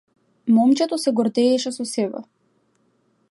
Момчето се гордееше со себе.